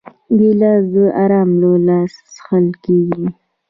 ګیلاس د آرام له لاسه څښل کېږي.